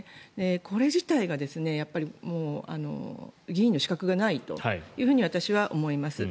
これ自体が議員の資格がないというふうに私は思います。